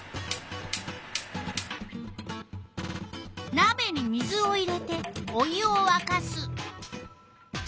なべに水を入れてお湯をわかす。